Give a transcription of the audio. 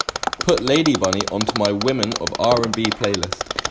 Put lady bunny onto my Women of R&B playlist.